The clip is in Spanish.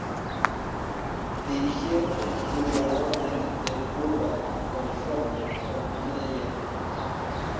Dirigió el estudio Warner de Burbank, California con mano de hierro.